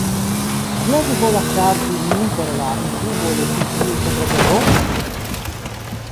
Kial vi volas ŝarĝi min per la inkubo de ĉi tiu sekretego?